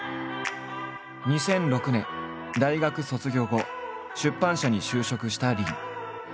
２００６年大学卒業後出版社に就職した林。